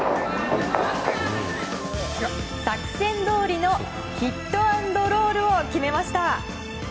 作戦どおりのヒット＆ロールを決めました。